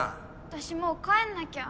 私もう帰んなきゃ。